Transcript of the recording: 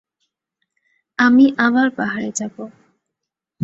আমি আবার পাহাড়ে যাব।